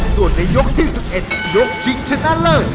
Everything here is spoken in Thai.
ส่วนในยกที่๑๑ยกชิงชนะเลิศ